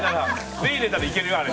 麺入れたらいけるよ、あれ。